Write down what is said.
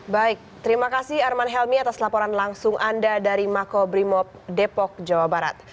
baik terima kasih arman helmi atas laporan langsung anda dari makobrimob depok jawa barat